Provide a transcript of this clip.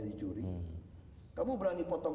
dicuri kamu berani potong